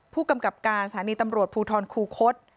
ผู้กำกับการสถานีตำรวจภูทรคูคศ